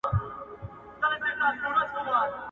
خو د نارینوو يو له بله سره